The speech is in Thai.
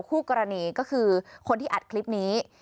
คู่กรณีก็คือคนที่อัดคลิปนี้